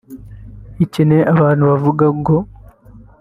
ikeneye abantu bavuga ngo